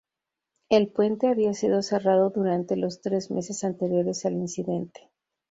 El puente había sido cerrado durante los tres meses anteriores al incidente.